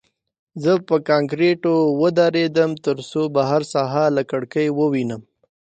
زه په کانکریټو ودرېدم ترڅو بهر ساحه له کړکۍ ووینم